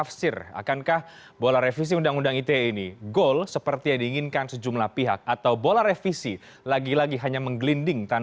bapak bapak semuanya sehat sehat